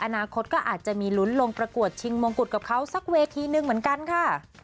อนาคตก็อาจจะมีลุ้นลงประกวดชิงมงกุฎกับเขาสักเวทีนึงเหมือนกันค่ะ